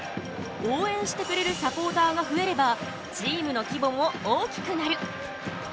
応援してくれるサポーターが増えればチームの規模も大きくなる。